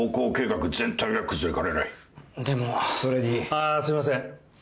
あーすいません。